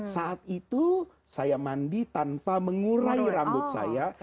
saat itu saya mandi tanpa mengurai rambut saya